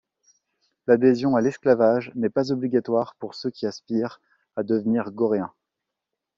L’adhésion à l’esclavage n'est pas obligatoire pour ceux qui aspirent à devenir Goréens.